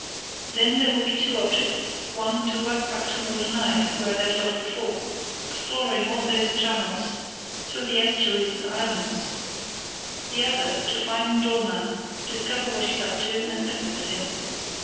Then there will be two objects: one, to work back to Norderney, where I left off before, exploring all those channels through the estuaries and islands; the other, to find Dollmann, discover what he's up to, and settle with him.